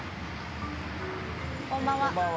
こんばんは。